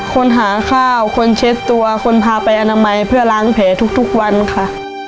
คนหาข้าวคนเช็ดตัวคนพาไปอนามัยเพื่อล้างแผลทุกวันค่ะ